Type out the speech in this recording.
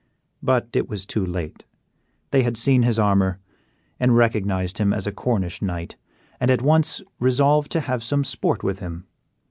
But it was too late. They had seen his armor, and recognized him as a Cornish knight, and at once resolved to have some sport with him.